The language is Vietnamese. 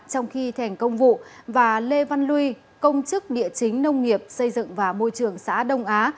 trong khi thành công vụ và lê văn lui công chức địa chính nông nghiệp xây dựng và môi trường xã đông á